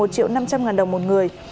một triệu năm trăm linh ngàn đồng một người